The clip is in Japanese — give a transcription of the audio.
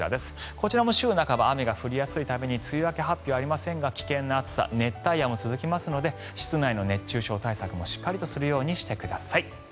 こちらも週半ば雨が降りやすいために梅雨明け発表ありませんが危険な暑さ熱帯夜も続きますので室内の熱中症対策もしっかりとするようにしてください。